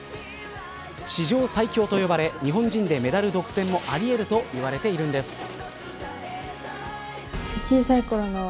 史上最強と呼ばれ、日本人でメダル独占もあり得ると言われているんです。